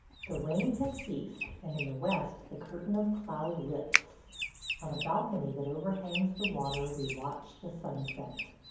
The rain has ceased, and in the west the curtain of cloud lifts. On a balcony that overhangs the water we watch the sunset.